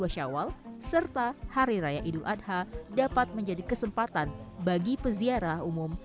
dua syawal serta hari raya idul adha dapat menjadi kesempatan bagi peziarah umum